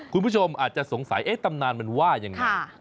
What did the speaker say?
คุณผู้ชมอาจจะสงสัยตำนานมันว่ายังไง